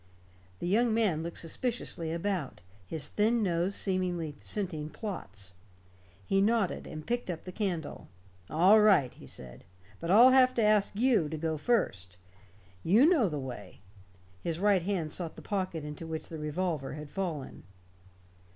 The young man looked suspiciously about, his thin nose seemingly scenting plots. He nodded, and picked up the candle. "All right," he said. "But I'll have to ask you to go first. You know the way." His right hand sought the pocket into which the revolver had fallen.